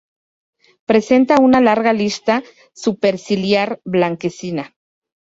Presenta una larga lista superciliar blanquecina.